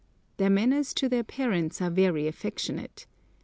Their manners to their parents are very affectionate.